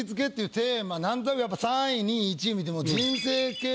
何となくやっぱ３位２位１位見ても。